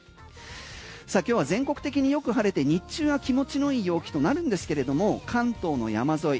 さあ今日は全国的によく晴れて日中は気持ちのいい陽気となるんですが関東の山沿い